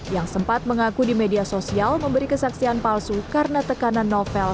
yang sempat mengaku di media sosial memberi kesaksian palsu karena tekanan novel